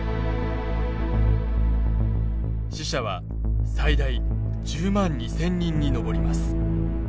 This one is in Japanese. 死者は最大１０万２，０００人に上ります。